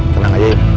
tenang aja yuk